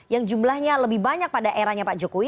yang jumlahnya lebih banyak pada eranya pak jokowi